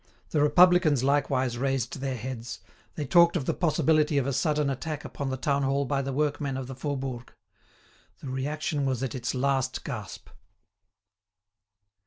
The Republicans likewise raised their heads. They talked of the possibility of a sudden attack upon the town hall by the workmen of the Faubourg. The reaction was at its last gasp.